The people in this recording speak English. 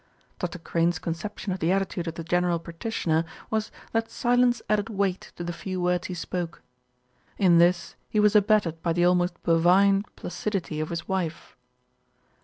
Dr. Crane's con ception of the attitude of the general practitioner was that silence added weight to the few words he spoke. In this he was abetted by the almost bovine placidity of his wife.